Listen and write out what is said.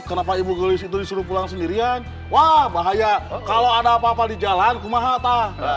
kenapa ibu tulis itu disuruh pulang sendirian wah bahaya kalau ada apa apa di jalan kuma hatta